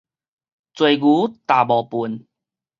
濟牛踏無糞